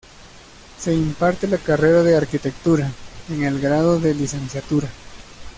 Se imparte la carrera de Arquitectura, en el grado de licenciatura.